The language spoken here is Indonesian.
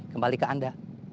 kembali ke anda